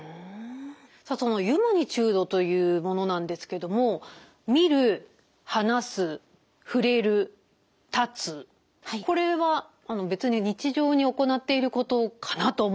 さあそのユマニチュードというものなんですけども見る話す触れる立つこれは別に日常に行っていることかなと思うんですけども。